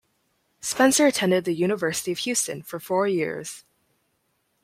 Spencer attended the University of Houston for four years.